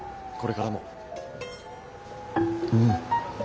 これからも。うん」。